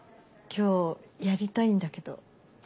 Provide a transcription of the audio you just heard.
今日やりたいんだけど。